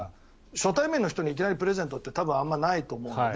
初対面の人にいきなりプレゼントってあまりないと思うので。